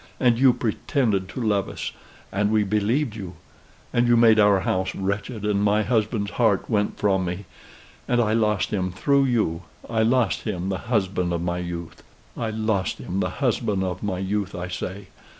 And you pretended to love us, and we believed you and you made our house wretched, and my husband's heart went from me: and I lost him through you I lost him the husband of my youth, I say.